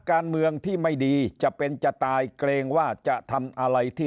การเมืองที่ไม่ดีจะเป็นจะตายเกรงว่าจะทำอะไรที่